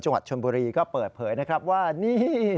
จังหวัดชนบุรีก็เปิดเผยนะครับว่านี่